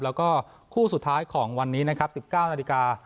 แล้วก็คู่สุดท้ายของวันนี้นะครับ๑๙นาฬิกา